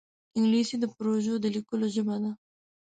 انګلیسي د پروژو د لیکلو ژبه ده